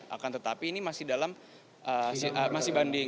akan tetapi ini masih dalam masih banding